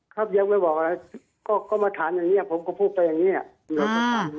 ครับยังไม่บอกอะไรก็มาถามอย่างนี้ผมก็พูดไปอย่างนี้